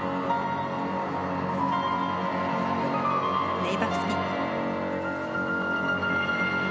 レイバックスピン。